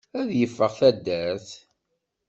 Ad yeffeɣ taddart!